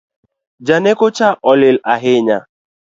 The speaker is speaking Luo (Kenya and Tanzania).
Janeko cha olil ahinya